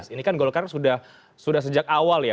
ini kan golkar sudah sejak awal ya